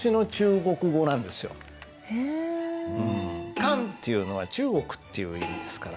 「漢」っていうのは中国っていう意味ですから。